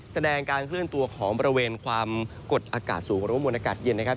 แสดงการเคลื่อนตัวของบริเวณความกดอากาศสูงหรือว่ามวลอากาศเย็นนะครับ